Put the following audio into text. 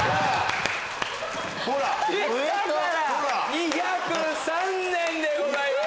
２０３年でございます。